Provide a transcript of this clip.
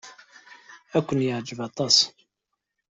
Ad kent-yeɛjeb aṭas.